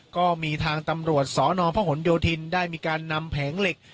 ก็มีทางตำรวจสนพหนโยธินได้มีการนำแผงเหล็ก